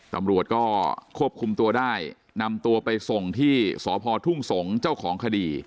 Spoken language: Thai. ตำรวจก็ควบคุมตัวได้นำตัวไปส่งที่สพทุ่งสงศ์เจ้าของคดี